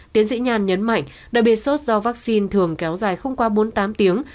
tiến sĩ nhàn nhấn mạnh đặc biệt sốt do vaccine thường kéo dài không qua bốn mươi tám tiếng